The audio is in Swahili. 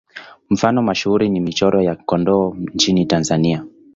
Mfano mashuhuri ni Michoro ya Kondoa nchini Tanzania.